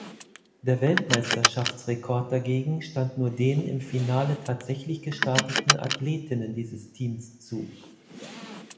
Der Weltmeisterschaftsrekord dagegen stand nur den im Finale tatsächlich gestarteten Athletinnen dieses Teams zu.